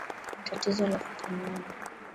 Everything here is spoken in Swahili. Tatizo la kupumua